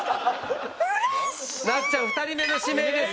なっちゃん２人目の指名です。